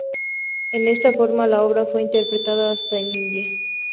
En esta forma, la obra fue interpretada hasta en India.